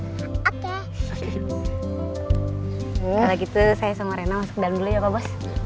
kalau gitu saya sama rena masuk ke dalam dulu ya pa bos